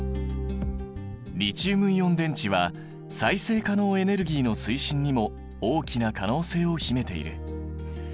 リチウムイオン電池は再生可能エネルギーの推進にも大きな可能性を秘めている。